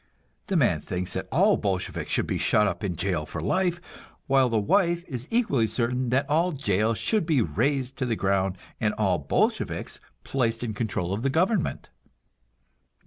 The man thinks that all Bolsheviks should be shut up in jail for life, while the wife is equally certain that all jails should be razed to the ground and all Bolsheviks placed in control of the government.